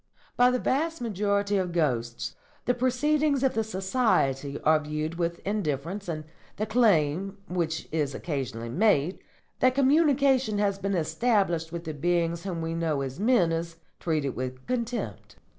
By the vast majority of ghosts the proceedings of the Society are viewed with indifference, and the claim, which is occasionally made, that communication has been established with the beings whom we know as men is treated with contempt.